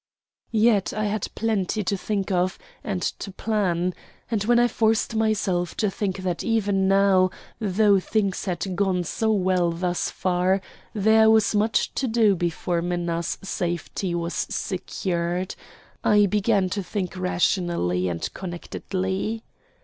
Yet I had plenty to think of and to plan; and when I forced myself to think that even now, though things had gone so well thus far, there was much to do before Minna's safety was secured, I began to think rationally and connectedly.